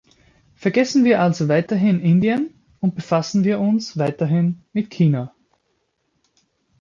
Vergessen wir also weiterhin Indien, und befassen wir uns weiterhin mit China.